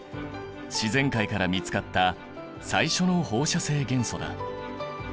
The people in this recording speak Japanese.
自然界から見つかった最初の放射性元素だ。